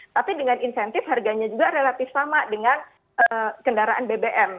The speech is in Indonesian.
tapi dengan insentif harganya juga relatif sama dengan kendaraan bbm